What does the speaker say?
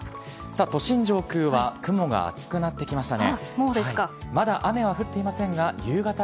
都心上空は雲が厚くなってきましたね。